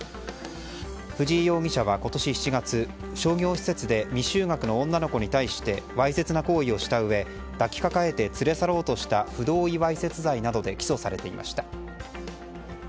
藤井容疑者は今年７月商業施設で未就学の女の子に対してわいせつな行為をしたうえ抱きかかえて連れ去ろうとした不同意わいせつ罪などで起訴されていました。